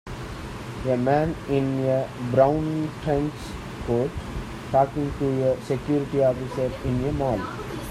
A man in a brown trench coat talking to a security officer in a mall.